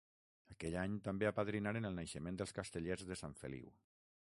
Aquell any també apadrinaren el naixement dels Castellers de Sant Feliu.